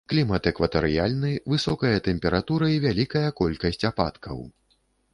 Клімат экватарыяльны, высокая тэмпература і вялікая колькасць ападкаў.